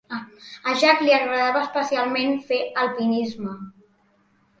A Jack li agradava especialment fer alpinisme.